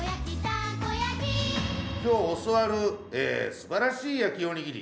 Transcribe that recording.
今日教わるすばらしい焼きおにぎり